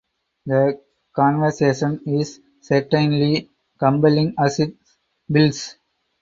The conversation is certainly compelling as it builds.